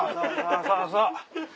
そうそう。